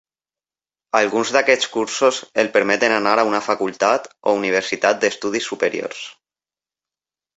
Alguns d'aquests cursos els permeten anar a una facultat o universitat d'estudis superiors.